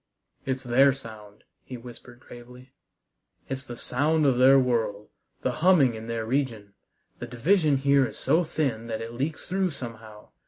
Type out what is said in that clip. "It's their sound," he whispered gravely. "It's the sound of their world, the humming in their region. The division here is so thin that it leaks through somehow.